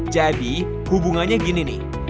jadi hubungannya gini nih